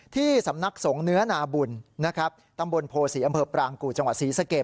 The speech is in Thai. ที่สำนักสงฆ์เนื้อนาบุญนะครับตำบลโพศีอำเภอปรางกู่จังหวัดศรีสะเกด